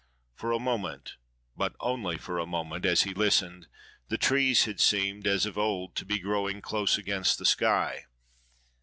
For a moment, but only for a moment, as he listened, the trees had seemed, as of old, to be growing "close against the sky."